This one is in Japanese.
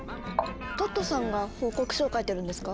トットさんが報告書を書いてるんですか？